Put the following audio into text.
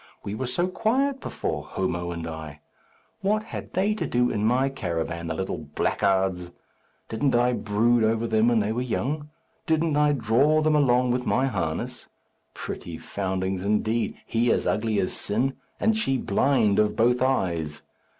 We were so quiet before, Homo and I! What had they to do in my caravan, the little blackguards? Didn't I brood over them when they were young! Didn't I draw them along with my harness! Pretty foundlings, indeed; he as ugly as sin, and she blind of both eyes!